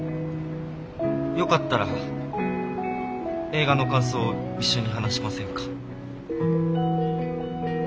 よかったら映画の感想を一緒に話しませんか？